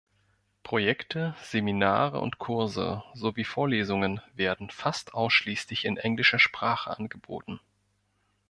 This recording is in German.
Projekte, Seminare und Kurse, sowie Vorlesungen werden fast ausschließlich in englischer Sprache angeboten.